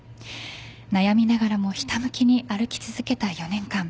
悩みながらもひたむきに歩き続けた４年間。